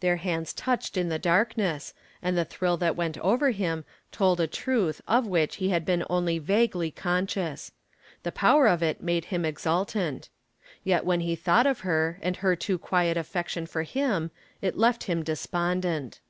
Their hands touched in the darkness, and the thrill that went over him told a truth of which he had been only vaguely conscious. The power of it made him exultant. Yet when he thought of her and her too quiet affection for him it left him despondent.